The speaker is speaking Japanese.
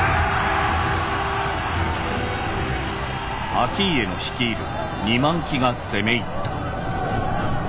「顕家の率いる二万騎が攻め入った。